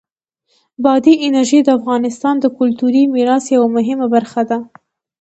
بادي انرژي د افغانستان د کلتوری میراث یوه مهمه برخه ده.